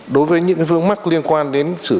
đối với những vướng mắt liên quan đến phòng cháy chữa cháy